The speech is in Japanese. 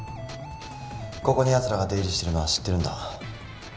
ここにやつらが出入りしてるのは知ってるんだ。